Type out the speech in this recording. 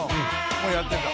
もうやってた。